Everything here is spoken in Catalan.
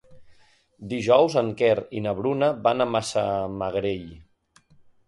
Dijous en Quer i na Bruna van a Massamagrell.